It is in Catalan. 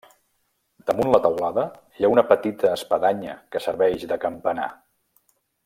Damunt la teulada hi ha una petita espadanya que serveix de campanar.